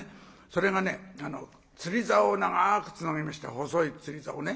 それが釣りざおを長くつなげまして細い釣りざおね。